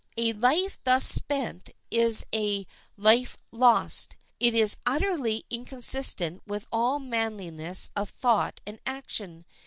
A life thus spent is a life lost. It is utterly inconsistent with all manliness of thought and action.